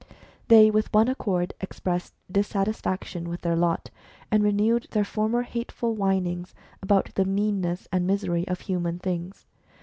They with one accord expressed dissatisfaction with their b \ V HISTORY OF THE HUMAN RACE. g lot, and renewed their former hateful whinings about the meanness and misery of human things.